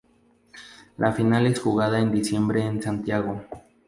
La final es jugada en diciembre en Santiago.